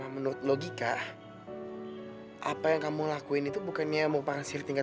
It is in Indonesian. aku bisa ikut ah nggak mau ah ini kamu boleh pulang